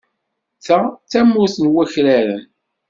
Ta d tamurt n wakraren.